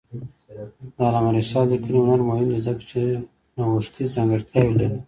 د علامه رشاد لیکنی هنر مهم دی ځکه چې نوښتي ځانګړتیاوې لري.